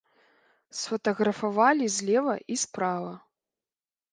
Сфатаграфавалі злева і справа.